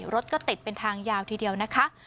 รถก็ติดเป็นทางยาวทีเดียวนะคะ